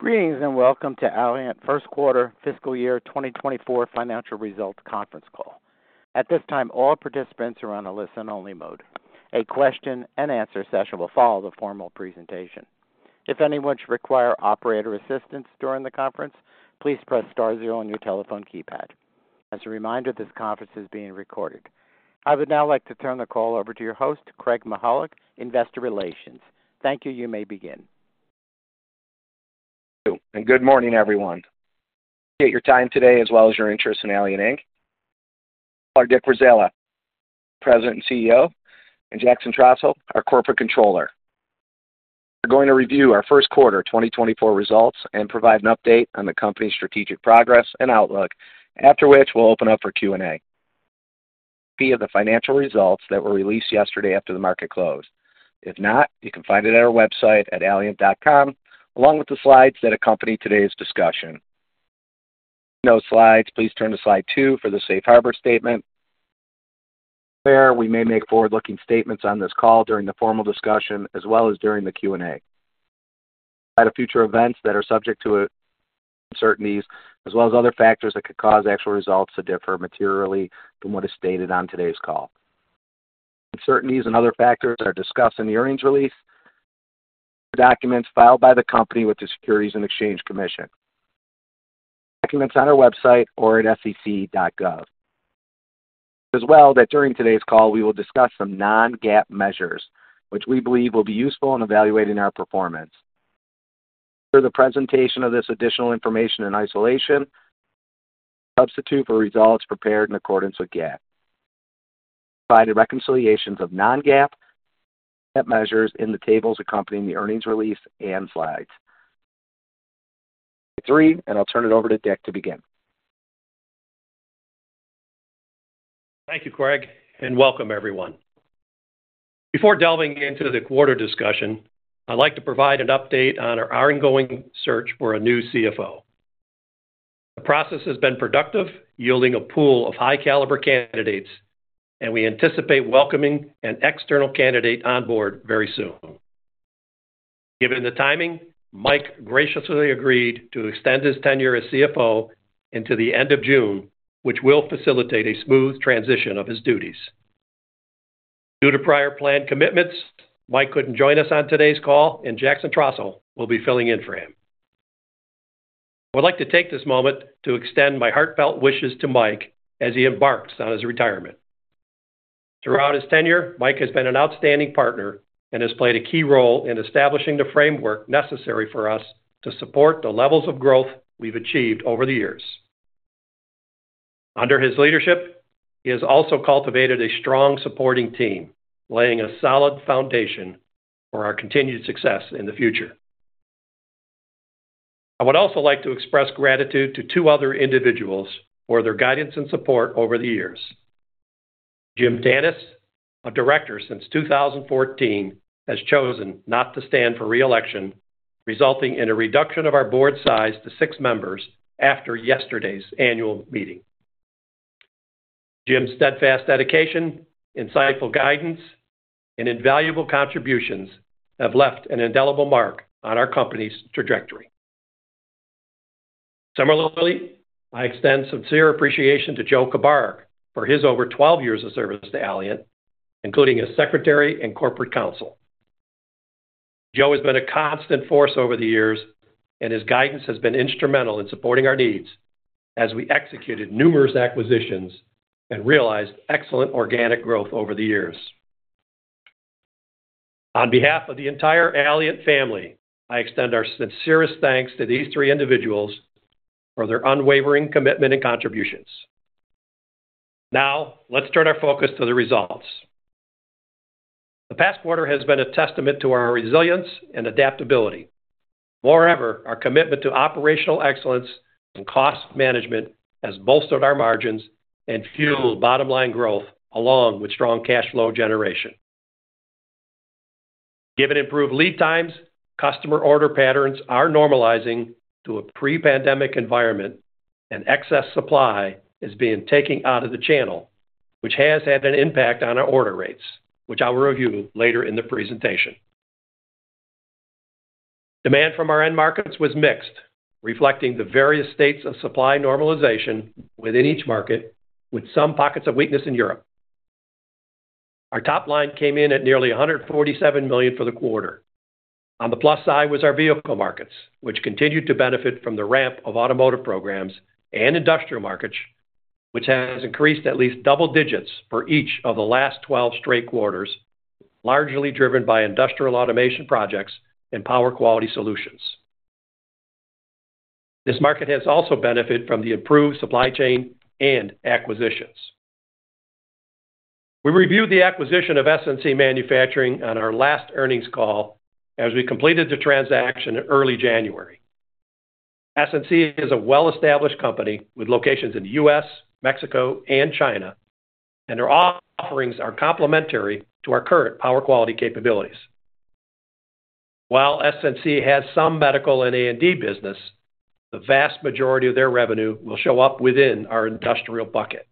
Greetings and welcome to Allient first quarter fiscal year 2024 financial results conference call. At this time, all participants are on a listen-only mode. A question-and-answer session will follow the formal presentation. If anyone should require operator assistance during the conference, please press star zero on your telephone keypad. As a reminder, this conference is being recorded. I would now like to turn the call over to your host, Craig Mychajluk, Investor Relations. Thank you. You may begin. Thank you, and good morning, everyone. I appreciate your time today as well as your interest in Allient Inc. I'm Dick Warzala, President and CEO, and Jackson Trostle, our Corporate Controller. We're going to review our first quarter 2024 results and provide an update on the company's strategic progress and outlook, after which we'll open up for Q&A. Copy of the financial results that were released yesterday after the market closed. If not, you can find it at our website at allient.com along with the slides that accompany today's discussion. If you have no slides, please turn to slide two for the Safe Harbor statement. Moreover, we may make forward-looking statements on this call during the formal discussion as well as during the Q&A. We provide future events that are subject to uncertainties as well as other factors that could cause actual results to differ materially from what is stated on today's call. Uncertainties and other factors are discussed in the earnings release documents filed by the company with the Securities and Exchange Commission. You can find documents on our website or at sec.gov. As well, that during today's call we will discuss some non-GAAP measures, which we believe will be useful in evaluating our performance. We'll share the presentation of this additional information in isolation and substitute for results prepared in accordance with GAAP. We'll provide reconciliations of non-GAAP measures in the tables accompanying the earnings release and slides. Slide three, and I'll turn it over to Dick to begin. Thank you, Craig, and welcome, everyone. Before delving into the quarter discussion, I'd like to provide an update on our ongoing search for a new CFO. The process has been productive, yielding a pool of high-caliber candidates, and we anticipate welcoming an external candidate on board very soon. Given the timing, Mike graciously agreed to extend his tenure as CFO into the end of June, which will facilitate a smooth transition of his duties. Due to prior planned commitments, Mike couldn't join us on today's call, and Jackson Trostle will be filling in for him. I would like to take this moment to extend my heartfelt wishes to Mike as he embarks on his retirement. Throughout his tenure, Mike has been an outstanding partner and has played a key role in establishing the framework necessary for us to support the levels of growth we've achieved over the years. Under his leadership, he has also cultivated a strong supporting team, laying a solid foundation for our continued success in the future. I would also like to express gratitude to two other individuals for their guidance and support over the years. James Tanis, a Director since 2014, has chosen not to stand for reelection, resulting in a reduction of our board size to six members after yesterday's annual meeting. Jim's steadfast dedication, insightful guidance, and invaluable contributions have left an indelible mark on our company's trajectory. Similarly, I extend sincere appreciation to Joseph Kubarek for his over 12 years of service to Allient, including as Secretary and Corporate Counsel. Joe has been a constant force over the years, and his guidance has been instrumental in supporting our needs as we executed numerous acquisitions and realized excellent organic growth over the years. On behalf of the entire Allient family, I extend our sincerest thanks to these three individuals for their unwavering commitment and contributions. Now, let's turn our focus to the results. The past quarter has been a testament to our resilience and adaptability. Moreover, our commitment to operational excellence and cost management has bolstered our margins and fueled bottom-line growth along with strong cash flow generation. Given improved lead times, customer order patterns are normalizing to a pre-pandemic environment, and excess supply is being taken out of the channel, which has had an impact on our order rates, which I will review later in the presentation. Demand from our end markets was mixed, reflecting the various states of supply normalization within each market, with some pockets of weakness in Europe. Our top line came in at nearly $147 million for the quarter. On the plus side was our vehicle markets, which continued to benefit from the ramp of automotive programs and industrial markets, which has increased at least double digits for each of the last 12 straight quarters, largely driven by industrial automation projects and power quality solutions. This market has also benefited from the improved supply chain and acquisitions. We reviewed the acquisition of SNC Manufacturing on our last earnings call as we completed the transaction in early January. SNC is a well-established company with locations in the U.S., Mexico, and China, and their offerings are complementary to our current power quality capabilities. While SNC has some medical and A&D business, the vast majority of their revenue will show up within our industrial bucket.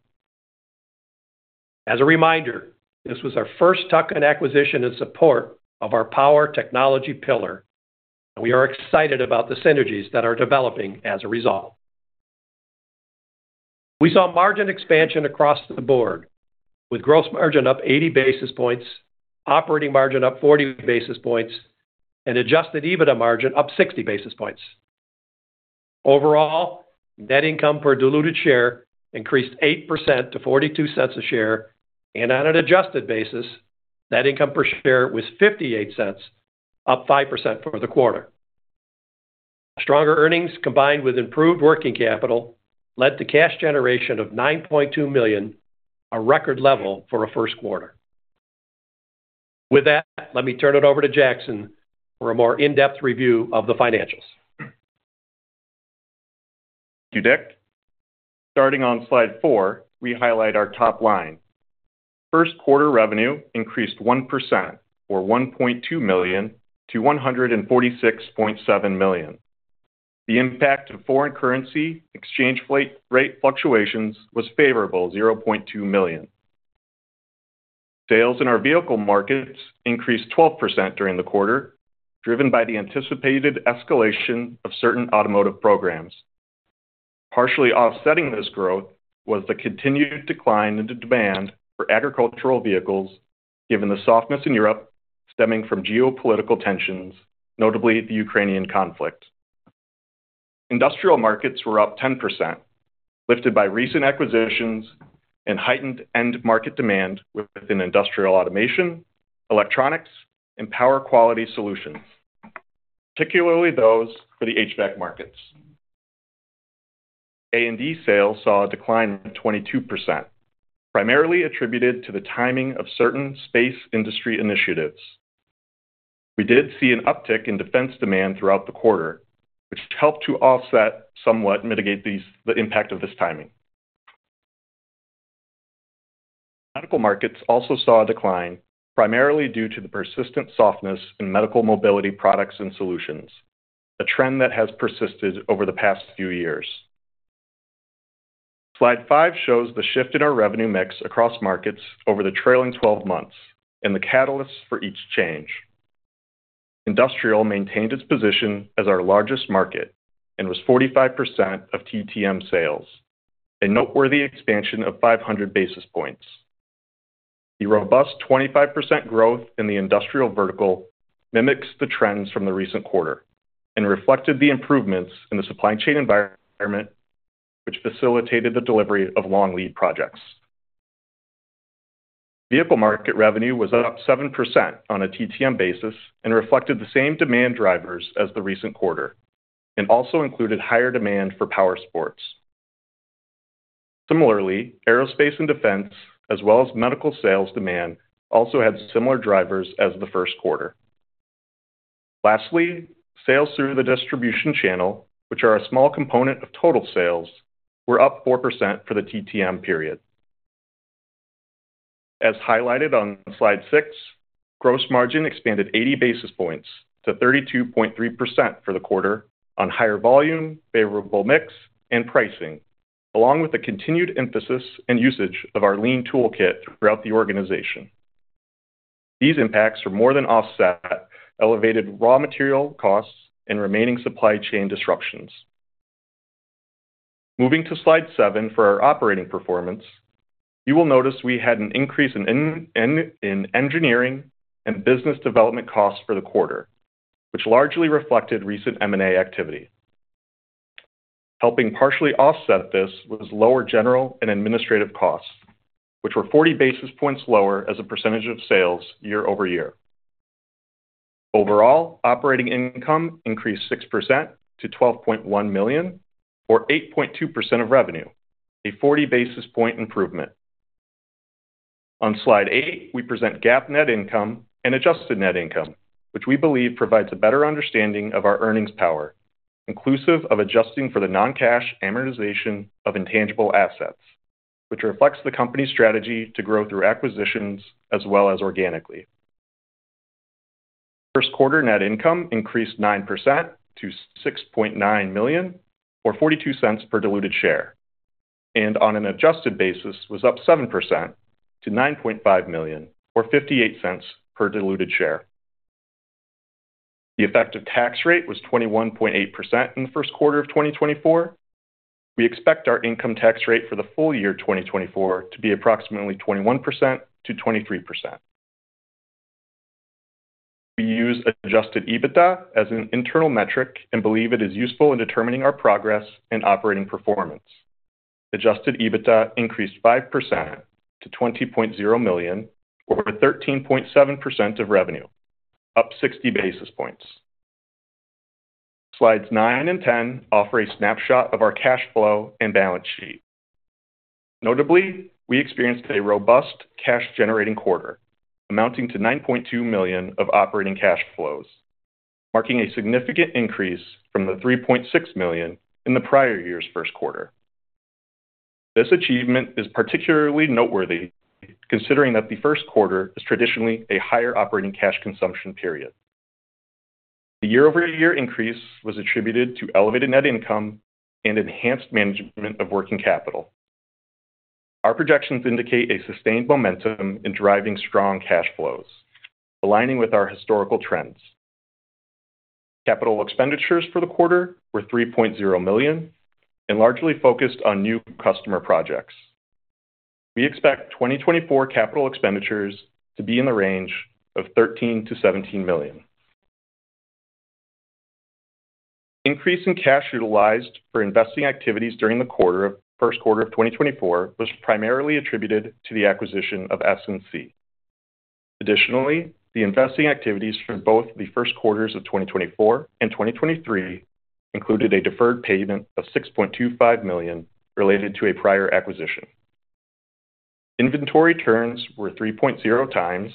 As a reminder, this was our first tuck-in acquisition in support of our power technology pillar, and we are excited about the synergies that are developing as a result. We saw margin expansion across the board, with gross margin up 80 basis points, operating margin up 40 basis points, and Adjusted EBITDA margin up 60 basis points. Overall, net income per diluted share increased 8% to $0.42 a share, and on an adjusted basis, net income per share was $0.58, up 5% for the quarter. Stronger earnings combined with improved working capital led to cash generation of $9.2 million, a record level for a first quarter. With that, let me turn it over to Jackson for a more in-depth review of the financials. Thank you, Dick. Starting on slide four, we highlight our top line. First quarter revenue increased 1%, or $1.2 million, to $146.7 million. The impact of foreign currency exchange rate fluctuations was favorable, $0.2 million. Sales in our vehicle markets increased 12% during the quarter, driven by the anticipated escalation of certain automotive programs. Partially offsetting this growth was the continued decline in demand for agricultural vehicles, given the softness in Europe stemming from geopolitical tensions, notably the Ukrainian conflict. Industrial markets were up 10%, lifted by recent acquisitions and heightened end-market demand within industrial automation, electronics, and power quality solutions, particularly those for the HVAC markets. A&D sales saw a decline of 22%, primarily attributed to the timing of certain space industry initiatives. We did see an uptick in defense demand throughout the quarter, which helped to offset somewhat and mitigate the impact of this timing. Medical markets also saw a decline, primarily due to the persistent softness in medical mobility products and solutions, a trend that has persisted over the past few years. Slide five shows the shift in our revenue mix across markets over the trailing 12 months and the catalysts for each change. Industrial maintained its position as our largest market and was 45% of TTM sales, a noteworthy expansion of 500 basis points. The robust 25% growth in the industrial vertical mimics the trends from the recent quarter and reflected the improvements in the supply chain environment, which facilitated the delivery of long lead projects. Vehicle market revenue was up 7% on a TTM basis and reflected the same demand drivers as the recent quarter and also included higher demand for power sports. Similarly, aerospace and defense, as well as medical sales demand, also had similar drivers as the first quarter. Lastly, sales through the distribution channel, which are a small component of total sales, were up 4% for the TTM period. As highlighted on slide six, gross margin expanded 80 basis points to 32.3% for the quarter on higher volume, favorable mix, and pricing, along with a continued emphasis and usage of our lean toolkit throughout the organization. These impacts were more than offset by elevated raw material costs and remaining supply chain disruptions. Moving to slide seven for our operating performance, you will notice we had an increase in engineering and business development costs for the quarter, which largely reflected recent M&A activity. Helping partially offset this was lower general and administrative costs, which were 40 basis points lower as a percentage of sales year-over-year. Overall, operating income increased 6% to $12.1 million, or 8.2% of revenue, a 40 basis point improvement. On slide eight, we present GAAP net income and adjusted net income, which we believe provides a better understanding of our earnings power, inclusive of adjusting for the non-cash amortization of intangible assets, which reflects the company's strategy to grow through acquisitions as well as organically. First quarter net income increased 9% to $6.9 million, or $0.42 per diluted share, and on an adjusted basis was up 7% to $9.5 million, or $0.58 per diluted share. The effective tax rate was 21.8% in the first quarter of 2024. We expect our income tax rate for the full year 2024 to be approximately 21%-23%. We use adjusted EBITDA as an internal metric and believe it is useful in determining our progress and operating performance. Adjusted EBITDA increased 5% to $20.0 million, or 13.7% of revenue, up 60 basis points. Slides nine and 10 offer a snapshot of our cash flow and balance sheet. Notably, we experienced a robust cash-generating quarter, amounting to $9.2 million of operating cash flows, marking a significant increase from the $3.6 million in the prior year's first quarter. This achievement is particularly noteworthy considering that the first quarter is traditionally a higher operating cash consumption period. The year-over-year increase was attributed to elevated net income and enhanced management of working capital. Our projections indicate a sustained momentum in driving strong cash flows, aligning with our historical trends. Capital expenditures for the quarter were $3.0 million and largely focused on new customer projects. We expect 2024 capital expenditures to be in the range of $13 million-$17 million. Increase in cash utilized for investing activities during the first quarter of 2024 was primarily attributed to the acquisition of SNC. Additionally, the investing activities for both the first quarters of 2024 and 2023 included a deferred payment of $6.25 million related to a prior acquisition. Inventory turns were 3.0x,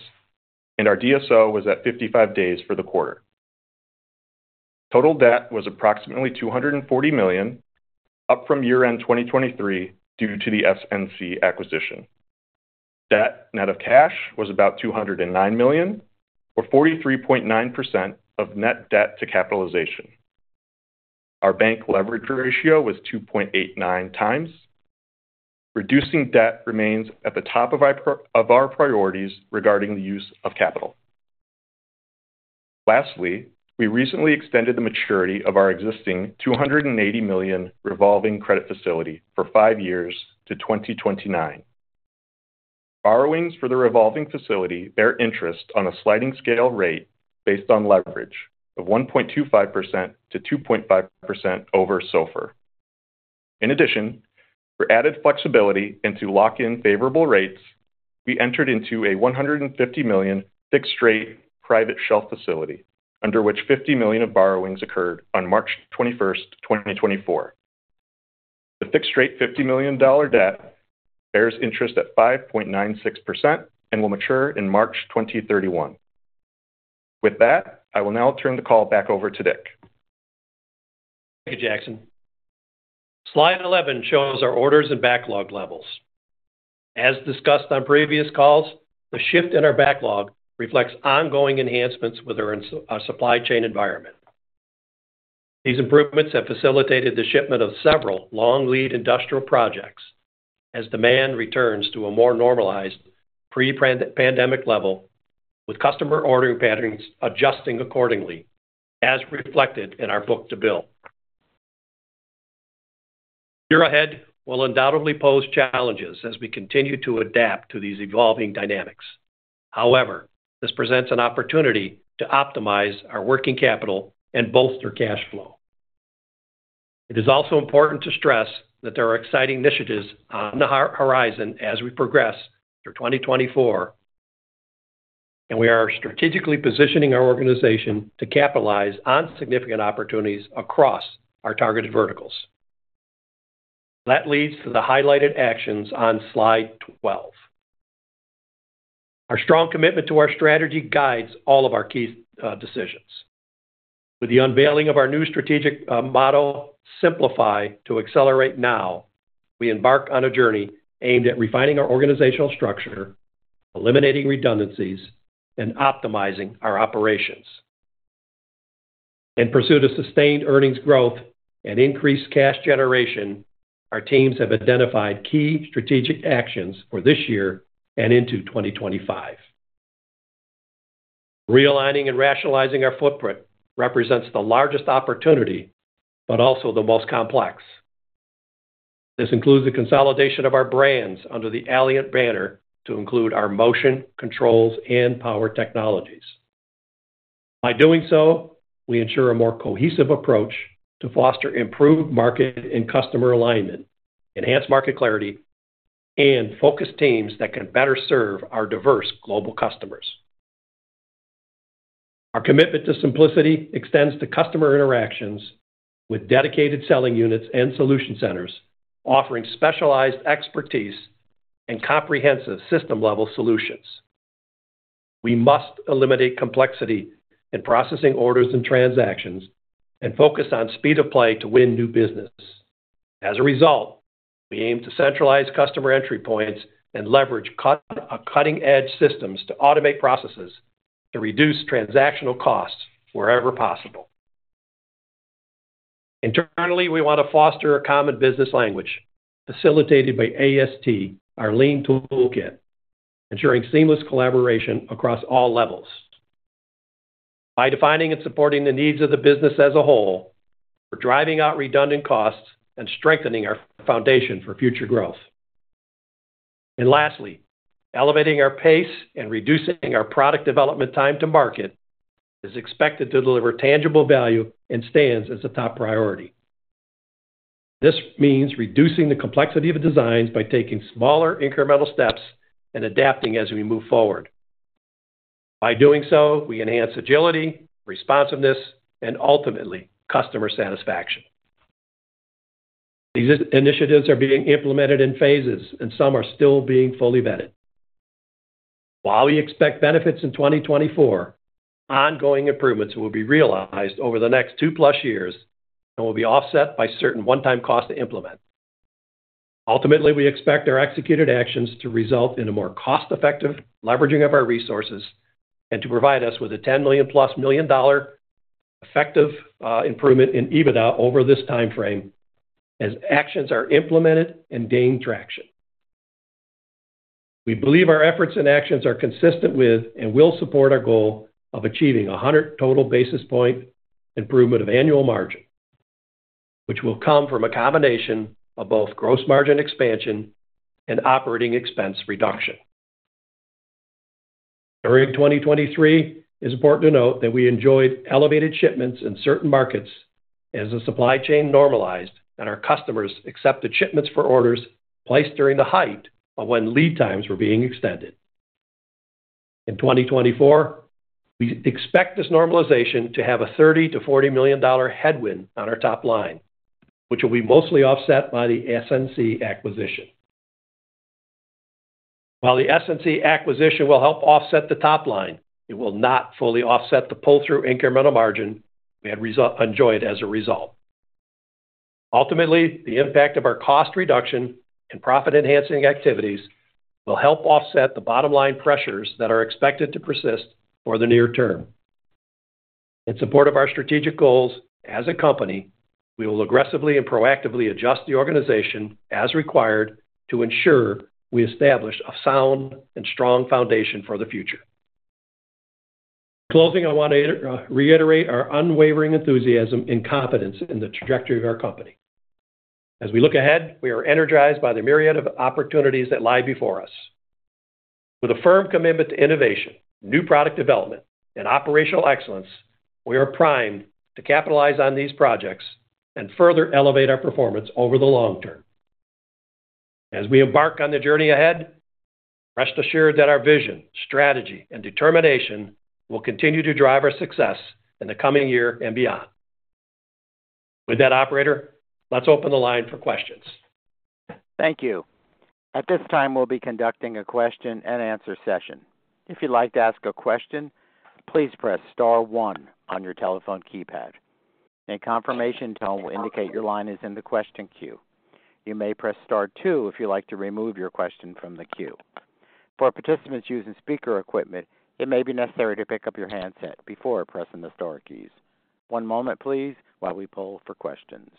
and our DSO was at 55 days for the quarter. Total debt was approximately $240 million, up from year-end 2023 due to the SNC acquisition. Debt net of cash was about $209 million, or 43.9% of net debt to capitalization. Our bank leverage ratio was 2.89x. Reducing debt remains at the top of our priorities regarding the use of capital. Lastly, we recently extended the maturity of our existing $280 million revolving credit facility for five years to 2029. Borrowings for the revolving facility bear interest on a sliding scale rate based on leverage of 1.25%-2.5% over SOFR. In addition, for added flexibility into lock-in favorable rates, we entered into a $150 million fixed-rate private shelf facility, under which $50 million of borrowings occurred on March 21st, 2024. The fixed-rate $50 million debt bears interest at 5.96% and will mature in March 2031. With that, I will now turn the call back over to Dick. Thank you, Jackson. Slide 11 shows our orders and backlog levels. As discussed on previous calls, the shift in our backlog reflects ongoing enhancements within our supply chain environment. These improvements have facilitated the shipment of several long lead industrial projects as demand returns to a more normalized pre-pandemic level, with customer ordering patterns adjusting accordingly, as reflected in our book-to-bill. The year ahead will undoubtedly pose challenges as we continue to adapt to these evolving dynamics. However, this presents an opportunity to optimize our working capital and bolster cash flow. It is also important to stress that there are exciting initiatives on the horizon as we progress through 2024, and we are strategically positioning our organization to capitalize on significant opportunities across our targeted verticals. That leads to the highlighted actions on Slide 12. Our strong commitment to our strategy guides all of our key decisions. With the unveiling of our new strategic model, Simplify to Accelerate Now, we embark on a journey aimed at refining our organizational structure, eliminating redundancies, and optimizing our operations. In pursuit of sustained earnings growth and increased cash generation, our teams have identified key strategic actions for this year and into 2025. Realigning and rationalizing our footprint represents the largest opportunity but also the most complex. This includes the consolidation of our brands under the Allient banner to include our motion, controls, and power technologies. By doing so, we ensure a more cohesive approach to foster improved market and customer alignment, enhance market clarity, and focus teams that can better serve our diverse global customers. Our commitment to simplicity extends to customer interactions with dedicated selling units and solution centers, offering specialized expertise and comprehensive system-level solutions. We must eliminate complexity in processing orders and transactions and focus on speed of play to win new business. As a result, we aim to centralize customer entry points and leverage cutting-edge systems to automate processes to reduce transactional costs wherever possible. Internally, we want to foster a common business language facilitated by AST, our lean toolkit, ensuring seamless collaboration across all levels. By defining and supporting the needs of the business as a whole, we're driving out redundant costs and strengthening our foundation for future growth. And lastly, elevating our pace and reducing our product development time to market is expected to deliver tangible value and stands as a top priority. This means reducing the complexity of designs by taking smaller incremental steps and adapting as we move forward. By doing so, we enhance agility, responsiveness, and ultimately, customer satisfaction. These initiatives are being implemented in phases, and some are still being fully vetted. While we expect benefits in 2024, ongoing improvements will be realized over the next 2+ years and will be offset by certain one-time costs to implement. Ultimately, we expect our executed actions to result in a more cost-effective leveraging of our resources and to provide us with a $10 million+ million dollar effective improvement in EBITDA over this time frame as actions are implemented and gain traction. We believe our efforts and actions are consistent with and will support our goal of achieving 100 total basis point improvement of annual margin, which will come from a combination of both gross margin expansion and operating expense reduction. During 2023, it is important to note that we enjoyed elevated shipments in certain markets as the supply chain normalized and our customers accepted shipments for orders placed during the height of when lead times were being extended. In 2024, we expect this normalization to have a $30 million-$40 million headwind on our top line, which will be mostly offset by the SNC acquisition. While the SNC acquisition will help offset the top line, it will not fully offset the pull-through incremental margin we had enjoyed as a result. Ultimately, the impact of our cost reduction and profit-enhancing activities will help offset the bottom-line pressures that are expected to persist for the near term. In support of our strategic goals as a company, we will aggressively and proactively adjust the organization as required to ensure we establish a sound and strong foundation for the future. In closing, I want to reiterate our unwavering enthusiasm and confidence in the trajectory of our company. As we look ahead, we are energized by the myriad of opportunities that lie before us. With a firm commitment to innovation, new product development, and operational excellence, we are primed to capitalize on these projects and further elevate our performance over the long term. As we embark on the journey ahead, rest assured that our vision, strategy, and determination will continue to drive our success in the coming year and beyond. With that, operator, let's open the line for questions. Thank you. At this time, we'll be conducting a question-and-answer session. If you'd like to ask a question, please press star one on your telephone keypad. A confirmation tone will indicate your line is in the question queue. You may press star two if you'd like to remove your question from the queue. For participants using speaker equipment, it may be necessary to pick up your handset before pressing the star keys. One moment, please, while we pull for questions.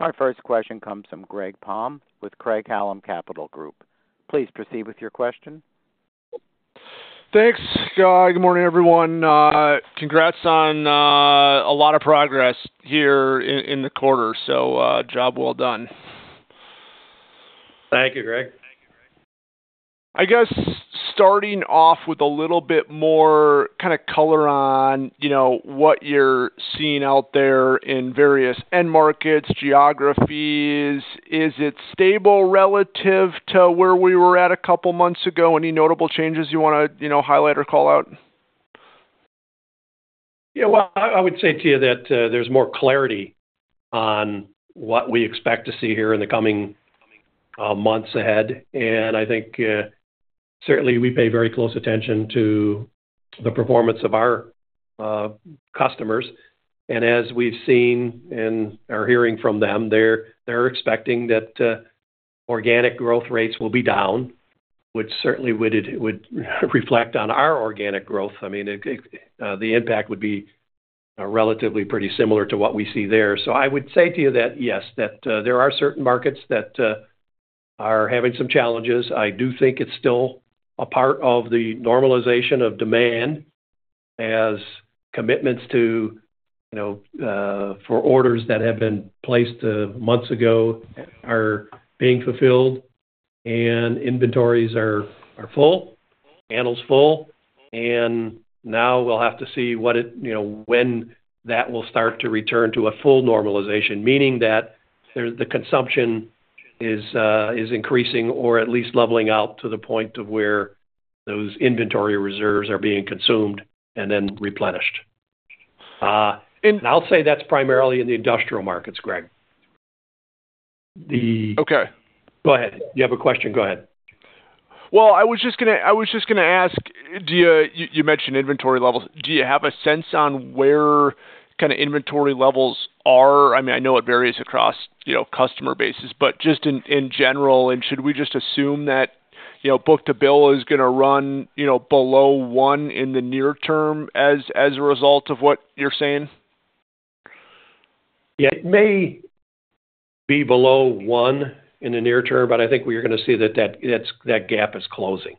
Our first question comes from Greg Palm with Craig-Hallum Capital Group. Please proceed with your question. Thanks. Good morning, everyone. Congrats on a lot of progress here in the quarter, so job well done. Thank you, Greg. I guess starting off with a little bit more kind of color on what you're seeing out there in various end markets, geographies. Is it stable relative to where we were at a couple months ago? Any notable changes you want to highlight or call out? Yeah. Well, I would say, to you, that there's more clarity on what we expect to see here in the coming months ahead. And I think, certainly, we pay very close attention to the performance of our customers. And as we've seen and are hearing from them, they're expecting that organic growth rates will be down, which certainly would reflect on our organic growth. I mean, the impact would be relatively pretty similar to what we see there. So I would say, to you, that yes, that there are certain markets that are having some challenges. I do think it's still a part of the normalization of demand as commitments for orders that have been placed months ago are being fulfilled, and inventories are full, panels full. Now we'll have to see when that will start to return to a full normalization, meaning that the consumption is increasing or at least leveling out to the point of where those inventory reserves are being consumed and then replenished. I'll say that's primarily in the industrial markets, Greg. Okay. Go ahead. You have a question. Go ahead. Well, I was just going to ask, to you, you mentioned inventory levels. Do you have a sense on where kind of inventory levels are? I mean, I know it varies across customer bases, but just in general, and should we just assume that Book-to-Bill is going to run below one in the near term as a result of what you're saying? Yeah. It may be below one in the near term, but I think we are going to see that that gap is closing.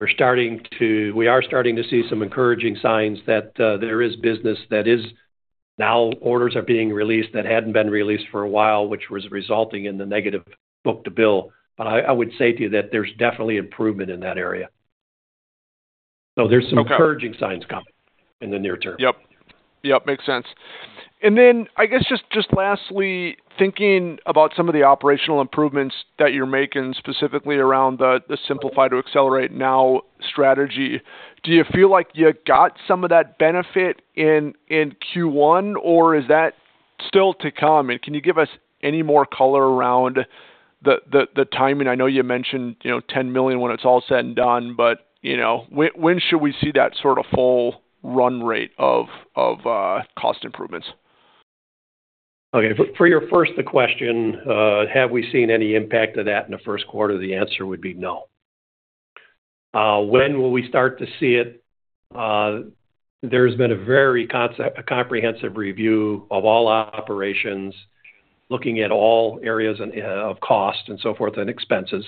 We are starting to see some encouraging signs that there is business that is now orders are being released that hadn't been released for a while, which was resulting in the negative book-to-bill. But I would say, to you, that there's definitely improvement in that area. So there's some encouraging signs coming in the near term. Yep. Yep. Makes sense. And then, I guess just lastly, thinking about some of the operational improvements that you're making specifically around the Simplify to Accelerate Now strategy, do you feel like you got some of that benefit in Q1, or is that still to come? And can you give us any more color around the timing? I know you mentioned $10 million when it's all said and done, but when should we see that sort of full run rate of cost improvements? Okay. For your first question, have we seen any impact of that in the first quarter? The answer would be no. When will we start to see it? There's been a very comprehensive review of all operations, looking at all areas of cost and so forth and expenses.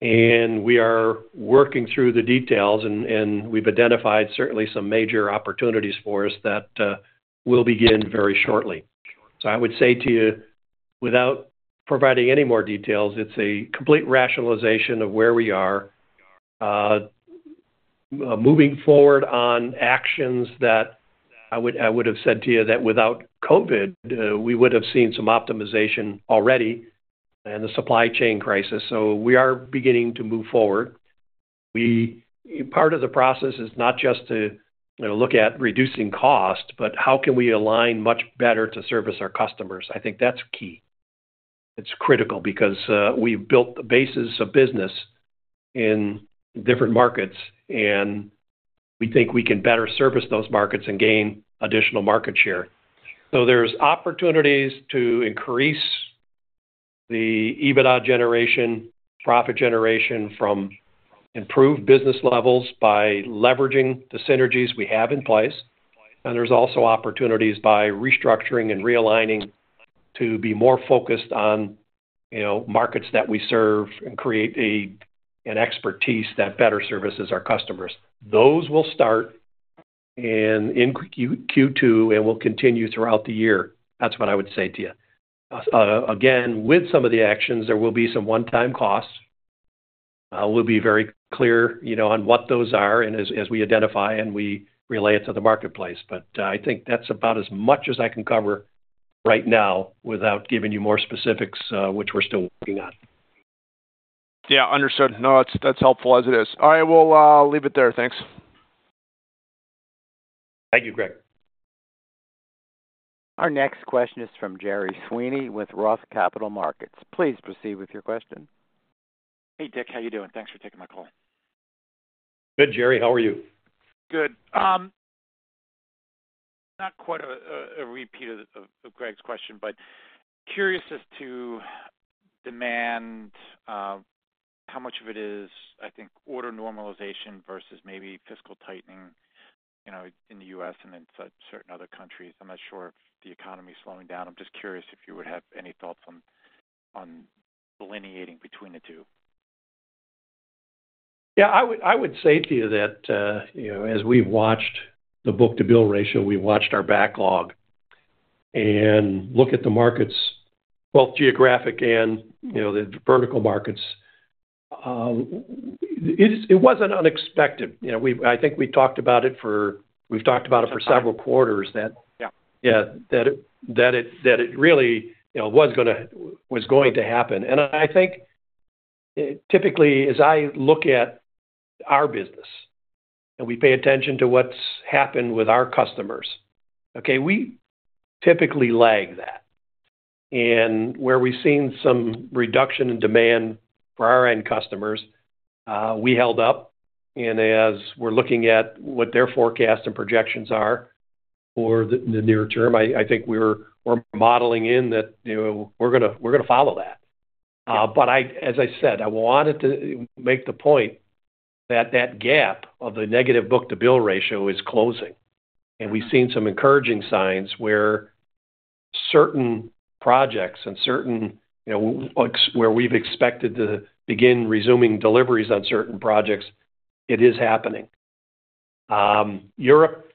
We are working through the details, and we've identified, certainly, some major opportunities for us that will begin very shortly. I would say, to you, without providing any more details, it's a complete rationalization of where we are moving forward on actions that I would have said, to you, that without COVID, we would have seen some optimization already and the supply chain crisis. We are beginning to move forward. Part of the process is not just to look at reducing cost, but how can we align much better to service our customers? I think that's key. It's critical because we've built the basis of business in different markets, and we think we can better service those markets and gain additional market share. So there's opportunities to increase the EBITDA generation, profit generation from improved business levels by leveraging the synergies we have in place. And there's also opportunities by restructuring and realigning to be more focused on markets that we serve and create an expertise that better services our customers. Those will start in Q2 and will continue throughout the year. That's what I would say, to you. Again, with some of the actions, there will be some one-time costs. We'll be very clear on what those are as we identify and we relay it to the marketplace. But I think that's about as much as I can cover right now without giving you more specifics, which we're still working on. Yeah. Understood. No, that's helpful as it is. All right. We'll leave it there. Thanks. Thank you, Greg. Our next question is from Gerry Sweeney with Roth MKM. Please proceed with your question. Hey, Dick. How are you doing? Thanks for taking my call. Good, Gerry. How are you? Good. Not quite a repeat of Greg's question, but curious as to demand, how much of it is, I think, order normalization versus maybe fiscal tightening in the U.S. and in certain other countries? I'm not sure if the economy's slowing down. I'm just curious if you would have any thoughts on delineating between the two. Yeah. I would say, Tia, that as we've watched the book-to-bill ratio, we've watched our backlog and look at the markets, both geographic and the vertical markets, it wasn't unexpected. I think we've talked about it for several quarters, that yeah, that it really was going to happen. And I think, typically, as I look at our business and we pay attention to what's happened with our customers, okay, we typically lag that. And where we've seen some reduction in demand for our end customers, we held up. And as we're looking at what their forecasts and projections are for the near term, I think we're modeling in that we're going to follow that. But as I said, I wanted to make the point that that gap of the negative book-to-bill ratio is closing. We've seen some encouraging signs where certain projects and certain where we've expected to begin resuming deliveries on certain projects, it is happening. Europe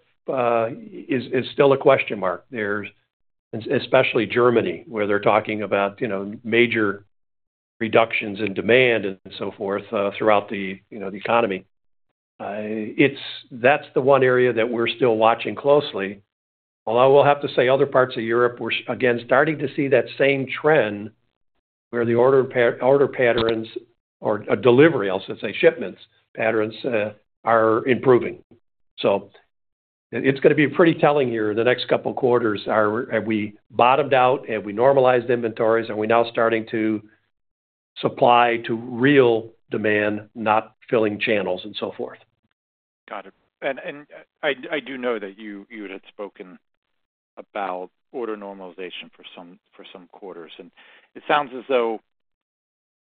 is still a question mark, especially Germany, where they're talking about major reductions in demand and so forth throughout the economy. That's the one area that we're still watching closely. Although we'll have to say other parts of Europe, we're, again, starting to see that same trend where the order patterns or delivery, I'll say shipments patterns, are improving. So it's going to be pretty telling here in the next couple quarters. Have we bottomed out? Have we normalized inventories? Are we now starting to supply to real demand, not filling channels and so forth? Got it. I do know that you had spoken about order normalization for some quarters. It sounds as though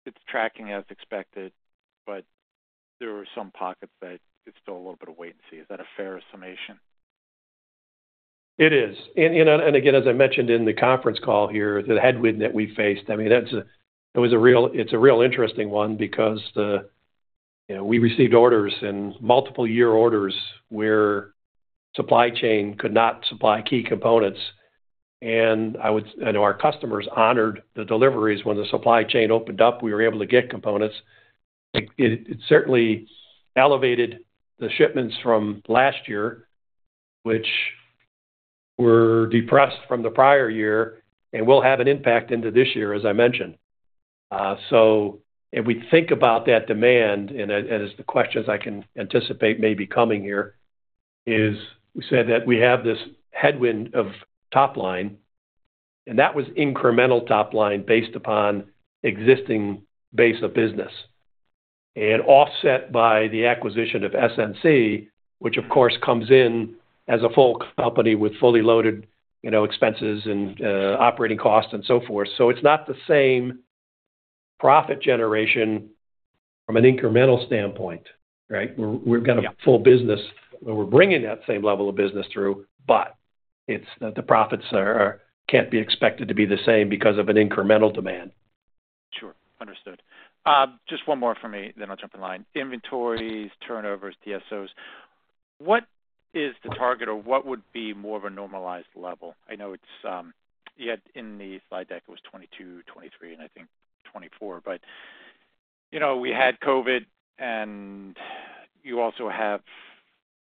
it's tracking as expected, but there are some pockets that it's still a little bit of wait and see. Is that a fair summation? It is. Again, as I mentioned in the conference call here, the headwind that we faced, I mean, it was a real interesting one because we received orders and multiple-year orders where supply chain could not supply key components. And I know our customers honored the deliveries. When the supply chain opened up, we were able to get components. It certainly elevated the shipments from last year, which were depressed from the prior year and will have an impact into this year, as I mentioned. So if we think about that demand, and as the questions I can anticipate may be coming here, is we said that we have this headwind of topline, and that was incremental topline based upon existing base of business and offset by the acquisition of SNC, which, of course, comes in as a full company with fully loaded expenses and operating costs and so forth. So it's not the same profit generation from an incremental standpoint, right? We've got a full business, but we're bringing that same level of business through. But the profits can't be expected to be the same because of an incremental demand. Sure. Understood. Just one more for me, then I'll jump in line. Inventories, turnovers, DSOs, what is the target, or what would be more of a normalized level? You had in the slide deck, it was 2022, 2023, and I think 2024. But we had COVID, and you also have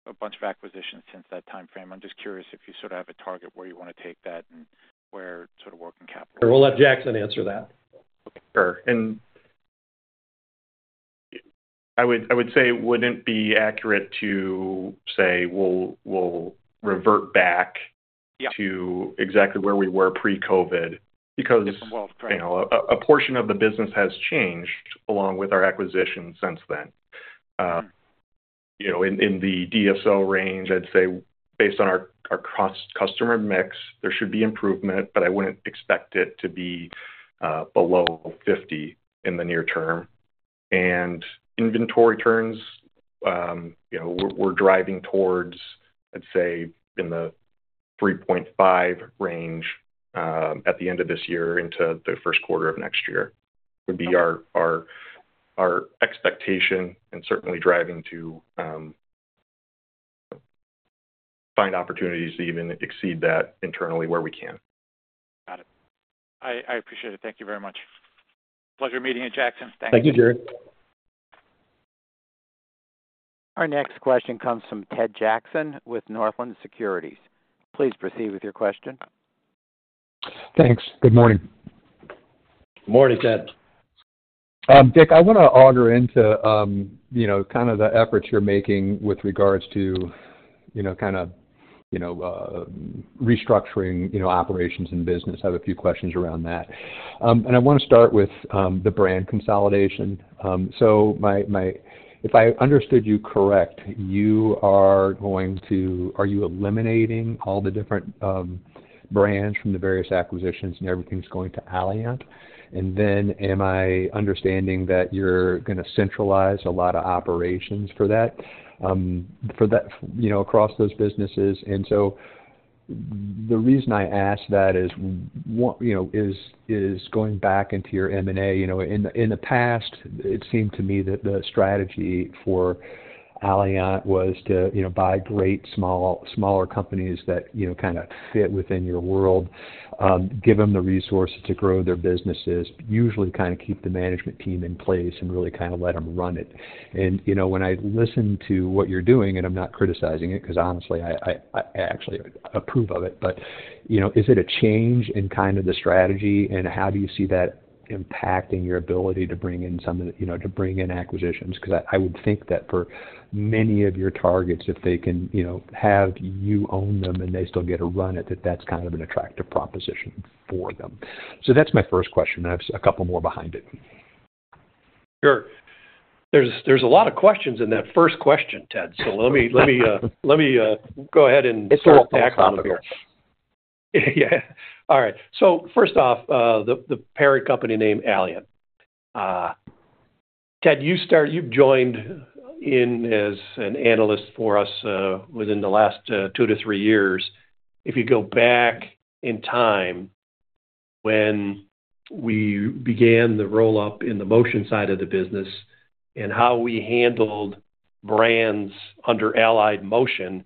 a bunch of acquisitions since that timeframe. I'm just curious if you sort of have a target where you want to take that and where sort of working capital. We'll let Jackson answer that. Sure. And I would say it wouldn't be accurate to say, "We'll revert back to exactly where we were pre-COVID," because a portion of the business has changed along with our acquisitions since then. In the DSO range, I'd say based on our customer mix, there should be improvement, but I wouldn't expect it to be below 50 in the near term. And inventory turns, we're driving towards, I'd say, in the 3.5 range at the end of this year into the first quarter of next year would be our expectation and certainly driving to find opportunities to even exceed that internally where we can. Got it. I appreciate it. Thank you very much. Pleasure meeting you, Jackson. Thanks. Thank you, Gerry. Our next question comes from Ted Jackson with Northland Securities. Please proceed with your question. Thanks. Good morning. Good morning, Ted. Dick, I want to auger into kind of the efforts you're making with regards to kind of restructuring operations and business. I have a few questions around that. I want to start with the brand consolidation. So if I understood you correct, are you eliminating all the different brands from the various acquisitions, and everything's going to Allient? And then am I understanding that you're going to centralize a lot of operations for that across those businesses? And so the reason I ask that is going back into your M&A. In the past, it seemed to me that the strategy for Allient was to buy great, smaller companies that kind of fit within your world, give them the resources to grow their businesses, usually kind of keep the management team in place, and really kind of let them run it. When I listen to what you're doing - and I'm not criticizing it because, honestly, I actually approve of it - but is it a change in kind of the strategy, and how do you see that impacting your ability to bring in acquisitions? Because I would think that for many of your targets, if they can have you own them and they still get to run it, that that's kind of an attractive proposition for them. So that's my first question, and I have a couple more behind it. Sure. There's a lot of questions in that first question, Ted. So let me go ahead and tackle them here. Yeah. All right. So first off, the parent company named Allient. Ted, you've joined in as an analyst for us within the last two-three years. If you go back in time when we began the roll-up in the motion side of the business and how we handled brands under Allied Motion,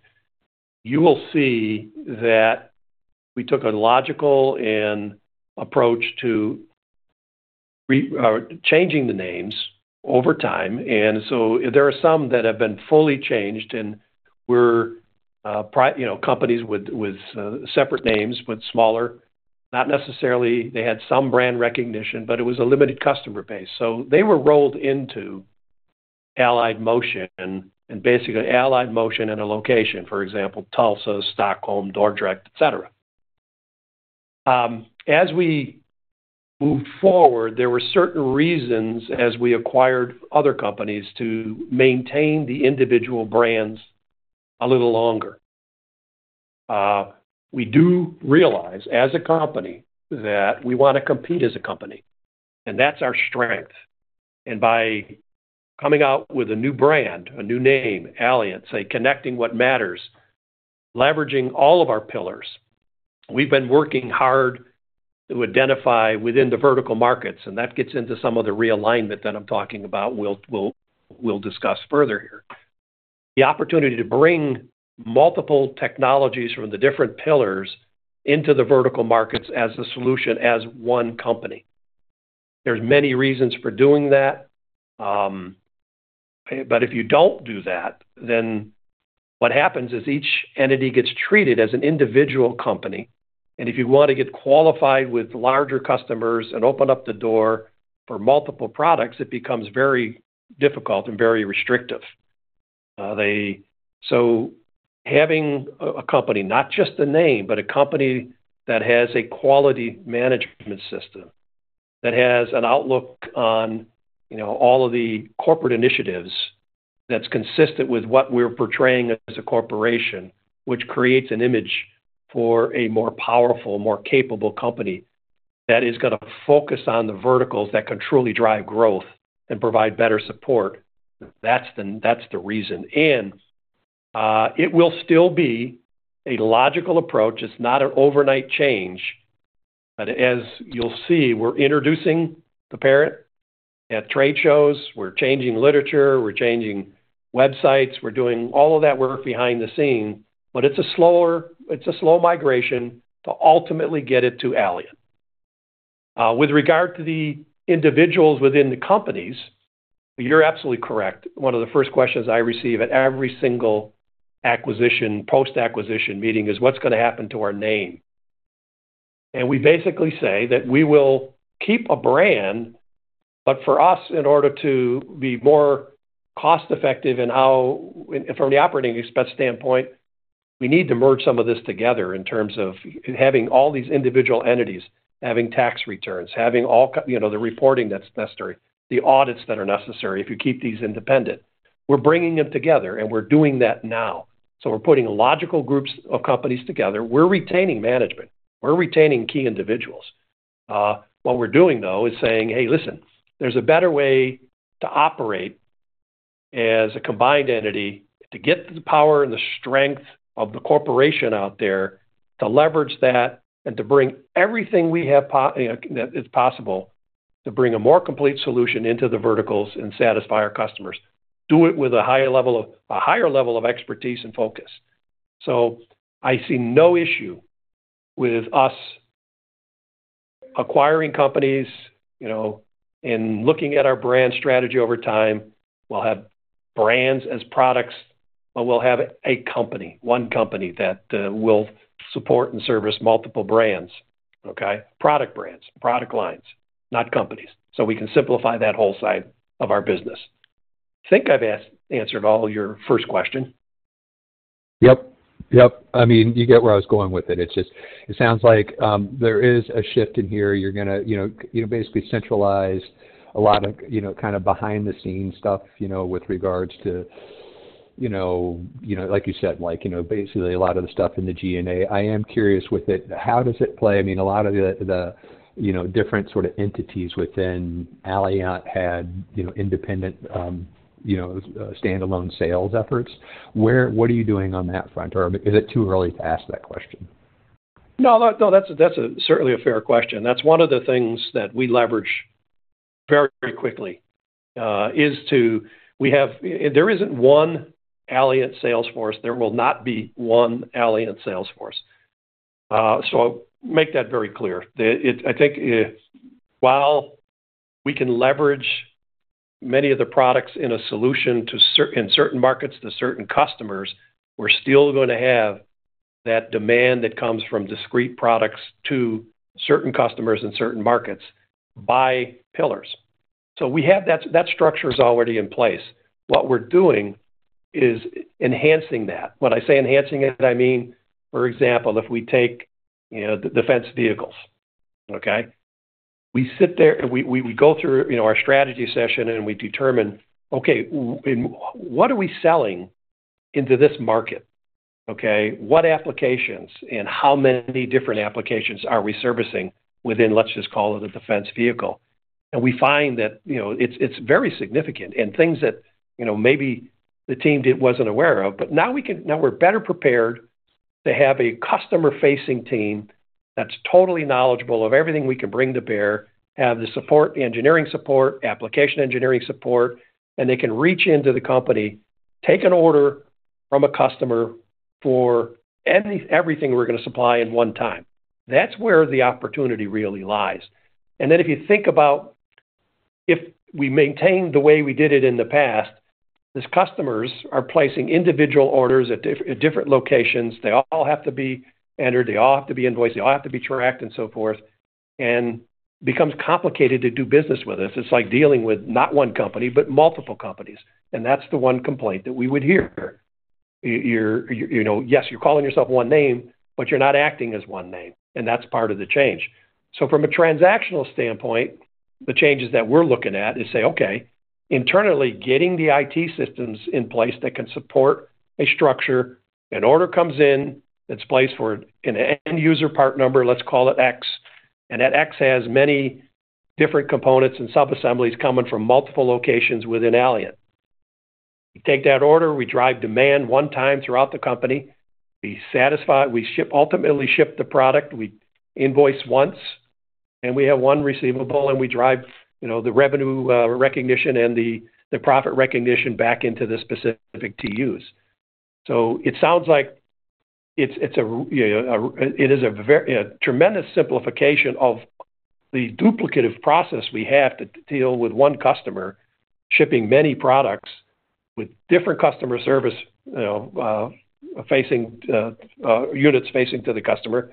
you will see that we took a logical approach to changing the names over time. And so there are some that have been fully changed, and we're companies with separate names, but smaller. Not necessarily they had some brand recognition, but it was a limited customer base. So they were rolled into Allied Motion and basically Allied Motion and a location, for example, Tulsa, Stockholm, Dordrecht, etc. As we moved forward, there were certain reasons as we acquired other companies to maintain the individual brands a little longer. We do realize as a company that we want to compete as a company, and that's our strength. By coming out with a new brand, a new name, Allient, say, connecting what matters, leveraging all of our pillars, we've been working hard to identify within the vertical markets. That gets into some of the realignment that I'm talking about we'll discuss further here. The opportunity to bring multiple technologies from the different pillars into the vertical markets as a solution as one company. There are many reasons for doing that. But if you don't do that, then what happens is each entity gets treated as an individual company. If you want to get qualified with larger customers and open up the door for multiple products, it becomes very difficult and very restrictive. So having a company, not just the name, but a company that has a quality management system that has an outlook on all of the corporate initiatives that's consistent with what we're portraying as a corporation, which creates an image for a more powerful, more capable company that is going to focus on the verticals that can truly drive growth and provide better support, that's the reason. And it will still be a logical approach. It's not an overnight change. But as you'll see, we're introducing the parent at trade shows. We're changing literature. We're changing websites. We're doing all of that work behind the scenes. But it's a slow migration to ultimately get it to Allient. With regard to the individuals within the companies, you're absolutely correct. One of the first questions I receive at every single acquisition post-acquisition meeting is, "What's going to happen to our name?" We basically say that we will keep a brand. For us, in order to be more cost-effective from the operating expense standpoint, we need to merge some of this together in terms of having all these individual entities, having tax returns, having all the reporting that's necessary, the audits that are necessary if you keep these independent. We're bringing them together, and we're doing that now. We're putting logical groups of companies together. We're retaining management. We're retaining key individuals. What we're doing, though, is saying, "Hey, listen, there's a better way to operate as a combined entity to get the power and the strength of the corporation out there, to leverage that, and to bring everything we have that is possible to bring a more complete solution into the verticals and satisfy our customers. Do it with a higher level of expertise and focus." So I see no issue with us acquiring companies and looking at our brand strategy over time. We'll have brands as products, but we'll have a company, one company that will support and service multiple brands, okay? Product brands, product lines, not companies. So we can simplify that whole side of our business. I think I've answered all your first question. Yep. Yep. I mean, you get where I was going with it. It sounds like there is a shift in here. You're going to basically centralize a lot of kind of behind-the-scenes stuff with regards to, like you said, basically a lot of the stuff in the G&A. I am curious with it, how does it play? I mean, a lot of the different sort of entities within Allient had independent, standalone sales efforts. What are you doing on that front? Or is it too early to ask that question? No, no, that's certainly a fair question. That's one of the things that we leverage very quickly is that there isn't one Allient sales force. There will not be one Allient sales force. So make that very clear. I think while we can leverage many of the products in a solution in certain markets to certain customers, we're still going to have that demand that comes from discrete products to certain customers in certain markets by pillars. So that structure is already in place. What we're doing is enhancing that. When I say enhancing it, I mean, for example, if we take defense vehicles, okay? We sit there and we go through our strategy session, and we determine, "Okay, what are we selling into this market? Okay? What applications and how many different applications are we servicing within, let's just call it, a defense vehicle?" And we find that it's very significant and things that maybe the team wasn't aware of. But now we're better prepared to have a customer-facing team that's totally knowledgeable of everything we can bring to bear, have the support, engineering support, application engineering support, and they can reach into the company, take an order from a customer for everything we're going to supply in one time. That's where the opportunity really lies. And then if you think about if we maintain the way we did it in the past, these customers are placing individual orders at different locations. They all have to be entered. They all have to be invoiced. They all have to be tracked and so forth. And it becomes complicated to do business with us. It's like dealing with not one company, but multiple companies. That's the one complaint that we would hear. Yes, you're calling yourself one name, but you're not acting as one name. That's part of the change. From a transactional standpoint, the changes that we're looking at is say, "Okay, internally getting the IT systems in place that can support a structure. An order comes in. It's placed for an end-user part number. Let's call it X. And that X has many different components and subassemblies coming from multiple locations within Allient. We take that order. We drive demand one time throughout the company. We ultimately ship the product. We invoice once, and we have one receivable, and we drive the revenue recognition and the profit recognition back into the specific TUs." So it sounds like it is a tremendous simplification of the duplicative process we have to deal with one customer shipping many products with different customer service facing units facing to the customer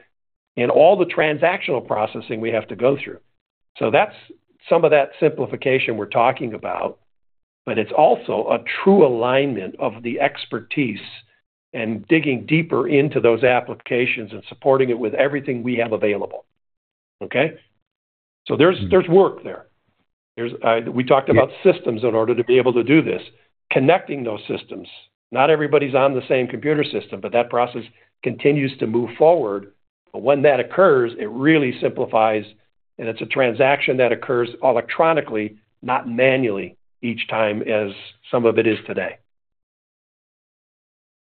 and all the transactional processing we have to go through. So that's some of that simplification we're talking about, but it's also a true alignment of the expertise and digging deeper into those applications and supporting it with everything we have available, okay? So there's work there. We talked about systems in order to be able to do this, connecting those systems. Not everybody's on the same computer system, but that process continues to move forward. But when that occurs, it really simplifies. It's a transaction that occurs electronically, not manually each time as some of it is today.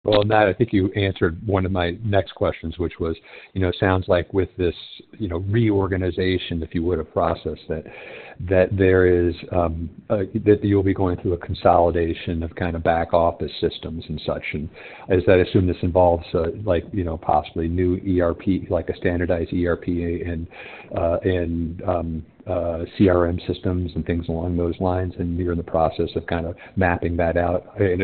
Well, now, I think you answered one of my next questions, which was, it sounds like with this reorganization, if you would, of process, that there is that you'll be going through a consolidation of kind of back-office systems and such. And does that assume this involves possibly new ERP, like a standardized ERP and CRM systems and things along those lines? And you're in the process of kind of mapping that out. And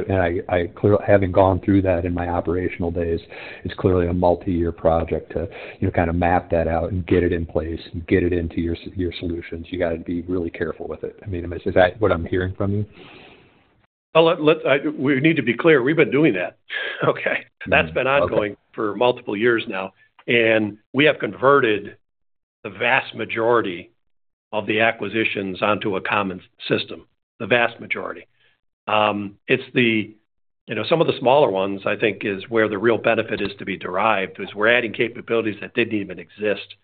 having gone through that in my operational days, it's clearly a multi-year project to kind of map that out and get it in place and get it into your solutions. You got to be really careful with it. I mean, is that what I'm hearing from you? Well, we need to be clear. We've been doing that, okay? That's been ongoing for multiple years now. And we have converted the vast majority of the acquisitions onto a common system, the vast majority. Some of the smaller ones, I think, is where the real benefit is to be derived is we're adding capabilities that didn't even exist.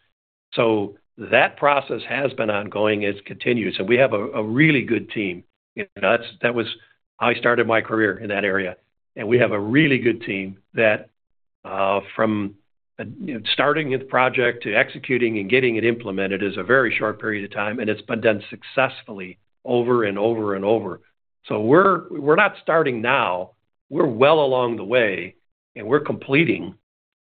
So that process has been ongoing. It continues. And we have a really good team. That was how I started my career in that area. And we have a really good team that from starting the project to executing and getting it implemented is a very short period of time. And it's been done successfully over and over and over. So we're not starting now. We're well along the way, and we're completing.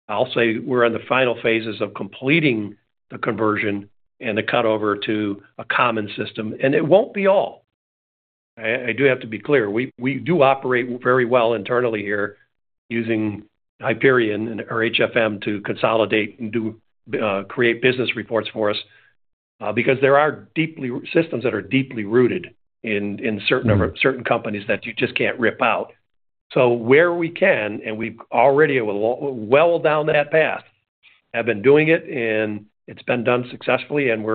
I'll say we're in the final phases of completing the conversion and the cutover to a common system. It won't be all. I do have to be clear. We do operate very well internally here using Hyperion or HFM to consolidate and create business reports for us because there are systems that are deeply rooted in certain companies that you just can't rip out. So where we can, and we're already well down that path, have been doing it, and it's been done successfully. And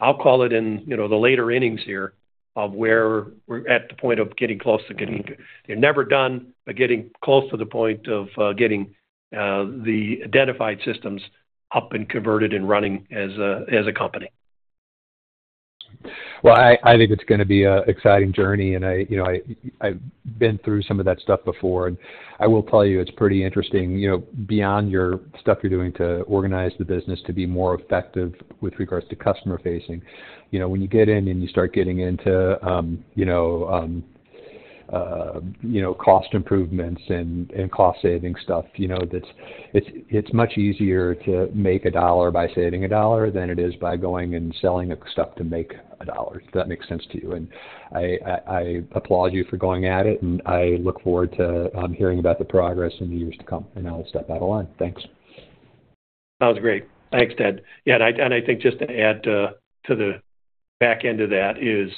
I'll call it in the later innings here of where we're at the point of getting close to getting there. They're never done, but getting close to the point of getting the identified systems up and converted and running as a company. Well, I think it's going to be an exciting journey. And I've been through some of that stuff before. And I will tell you, it's pretty interesting beyond your stuff you're doing to organize the business to be more effective with regards to customer-facing. When you get in and you start getting into cost improvements and cost-saving stuff, it's much easier to make a dollar by saving a dollar than it is by going and selling stuff to make a dollar. Does that make sense to you? And I applaud you for going at it. And I look forward to hearing about the progress in the years to come. And I'll step out of line. Thanks. Sounds great. Thanks, Ted. Yeah. I think just to add to the back end of that is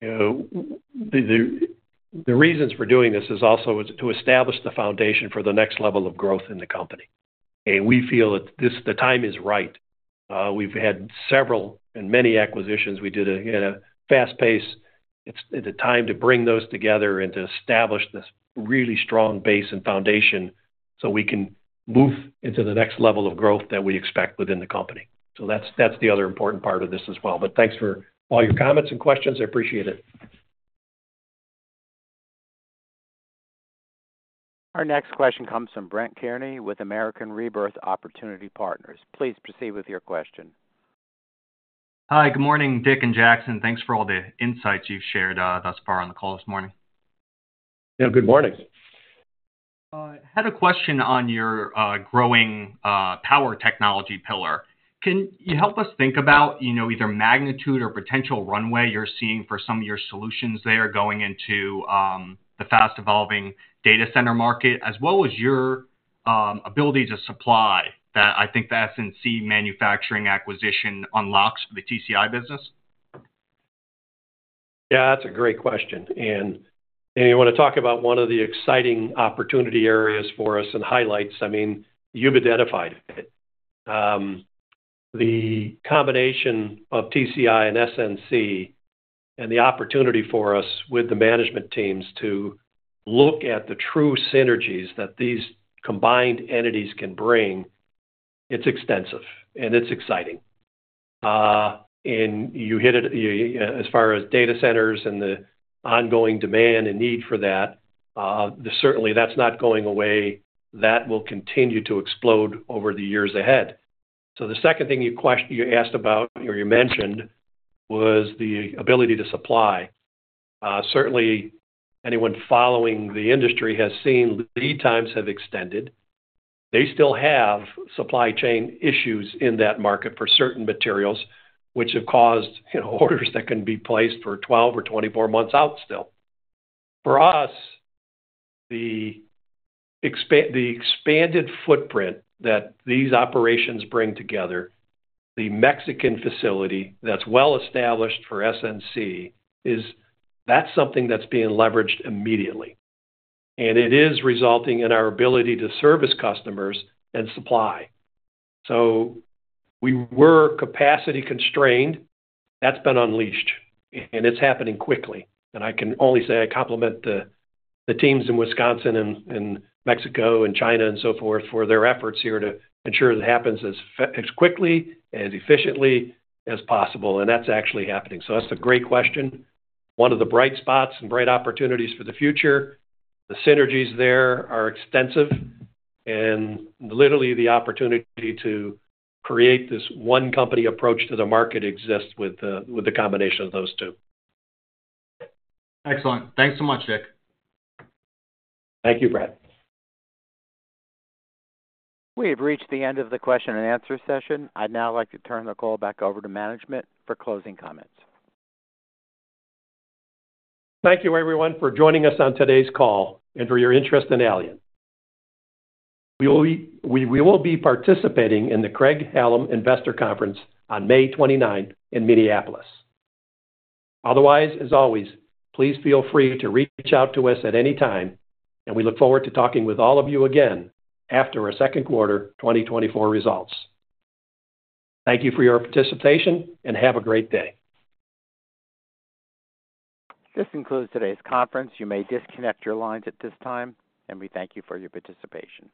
the reasons for doing this is also to establish the foundation for the next level of growth in the company. We feel that the time is right. We've had several and many acquisitions. We did it at a fast pace. It's the time to bring those together and to establish this really strong base and foundation so we can move into the next level of growth that we expect within the company. That's the other important part of this as well. Thanks for all your comments and questions. I appreciate it. Our next question comes from Brett Kearney with American Rebirth Opportunity Partners. Please proceed with your question. Hi. Good morning, Dick and Jackson. Thanks for all the insights you've shared thus far on the call this morning. Yeah. Good mornings. I had a question on your growing power technology pillar. Can you help us think about either magnitude or potential runway you're seeing for some of your solutions there going into the fast-evolving data center market, as well as your ability to supply that I think the SNC manufacturing acquisition unlocks for the TCI business? Yeah. That's a great question. And you want to talk about one of the exciting opportunity areas for us and highlights? I mean, you've identified it. The combination of TCI and SNC and the opportunity for us with the management teams to look at the true synergies that these combined entities can bring, it's extensive, and it's exciting. And you hit it as far as data centers and the ongoing demand and need for that, certainly, that's not going away. That will continue to explode over the years ahead. So the second thing you asked about or you mentioned was the ability to supply. Certainly, anyone following the industry has seen lead times have extended. They still have supply chain issues in that market for certain materials, which have caused orders that can be placed for 12 or 24 months out still. For us, the expanded footprint that these operations bring together, the Mexican facility that's well-established for SNC, that's something that's being leveraged immediately. It is resulting in our ability to service customers and supply. We were capacity-constrained. That's been unleashed. It's happening quickly. I can only say I compliment the teams in Wisconsin and Mexico and China and so forth for their efforts here to ensure that it happens as quickly, as efficiently as possible. That's actually happening. That's a great question. One of the bright spots and bright opportunities for the future, the synergies there are extensive. Literally, the opportunity to create this one-company approach to the market exists with the combination of those two. Excellent. Thanks so much, Dick. Thank you, Brett. We have reached the end of the question and answer session. I'd now like to turn the call back over to management for closing comments. Thank you, everyone, for joining us on today's call and for your interest in Allient. We will be participating in the Craig-Hallum Investor Conference on May 29 in Minneapolis. Otherwise, as always, please feel free to reach out to us at any time. We look forward to talking with all of you again after our second quarter 2024 results. Thank you for your participation, and have a great day. This concludes today's conference. You may disconnect your lines at this time. We thank you for your participation.